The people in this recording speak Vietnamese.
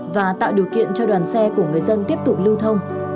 và tạo điều kiện cho đoàn xe của người dân tiếp tục lưu thông